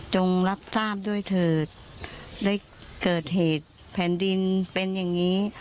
รับทราบด้วยเถิดได้เกิดเหตุแผ่นดินเป็นอย่างนี้